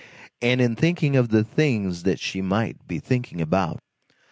and in thinking of the things that she might be thinking about.